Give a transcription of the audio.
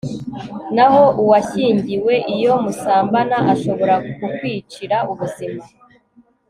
naho uwashyingiwe, iyo musambana, ashobora kukwicira ubuzima